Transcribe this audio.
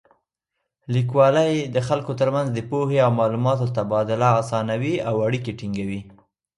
لیکوالی د خلکو تر منځ د پوهې او معلوماتو تبادله اسانوي او اړیکې ټینګوي.